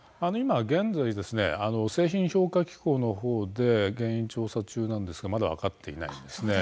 現在、製品評価機構のほうで、原因を調査中なんですがまだ分かっていないんですね。